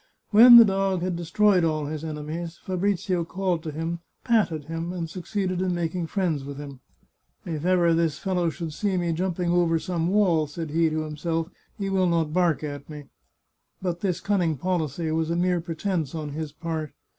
When the dog had destroyed all his enemies, Fabrizio called to him, patted him, and succeeded in making friends with him. "If ever this fellow should see me jump ing over some wall," said he to himself, " he will not bark at me." But this cunning policy was a mere pretence on his part.